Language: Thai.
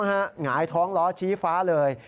หงายท้องล้อชี้ฟ้าเลย